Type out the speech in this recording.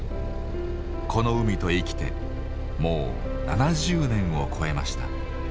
この海と生きてもう７０年を越えました。